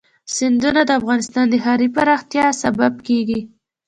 سیندونه د افغانستان د ښاري پراختیا سبب کېږي.